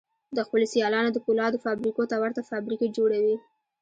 د خپلو سيالانو د پولادو فابريکو ته ورته فابريکې جوړوي.